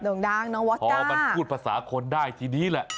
่งดังน้องวัชพรมันพูดภาษาคนได้ทีนี้แหละ